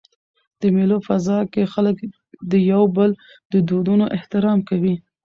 د مېلو په فضا کښي خلک د یو بل د دودونو احترام کوي.